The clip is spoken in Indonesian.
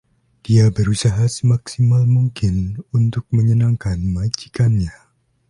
Dia berusaha semaksimal mungkin untuk menyenangkan majikannya.